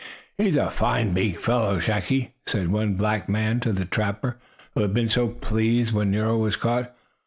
"He's a fine big fellow, Chaki," said one black man to the trapper who had been so pleased when Nero was caught.